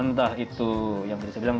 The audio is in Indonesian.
entah itu yang tadi saya bilang